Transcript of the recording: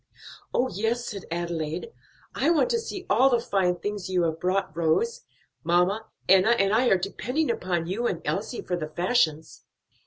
"Oh, yes!" said Adelaide, "I want to see all the fine things you have brought, Rose. Mamma, Enna, and I are depending upon you and Elsie for the fashions."